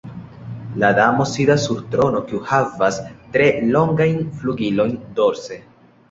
La damo sidas sur trono kiu havas tre longajn flugilojn dorse.